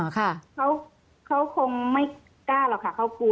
เขาเขาคงไม่กล้าหรอกค่ะเขากลัว